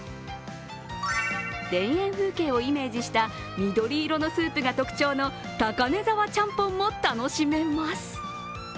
田園風景をイメージした緑色のスープが特徴の高根沢ちゃんぽんも楽しめます。